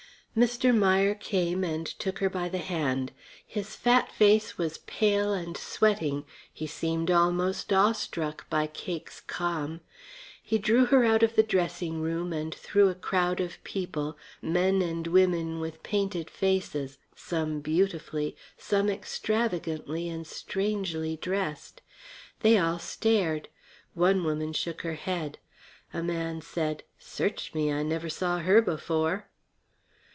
Mr. Meier came and took her by the hand. His fat face was pale and sweating, he seemed almost awestruck by Cake's calm. He drew her out of the dressing room and through a crowd of people, men and women with painted faces, some beautifully, some extravagantly and strangely dressed. They all stared. One woman shook her head. A man said: "Search me! I never saw her before."